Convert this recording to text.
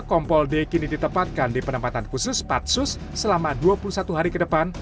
kompol d kini ditempatkan di penempatan khusus patsus selama dua puluh satu hari ke depan